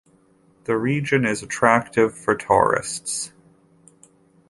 The region is attractive for tourists.